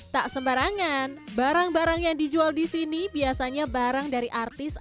tak sembarangan barang barang yang dijual di sini biasanya barang dari artis